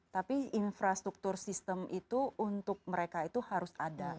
tapi infrastruktur sistem itu untuk mereka itu harus ada